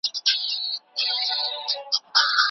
که جارو وي نو ټولګی نه چټلیږي.